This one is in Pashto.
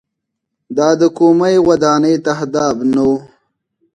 دا د کومۍ ودانۍ تهداب نه و.